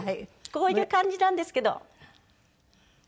こういう感じなんですけど。